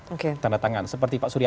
oke tanda tangan seperti pak surya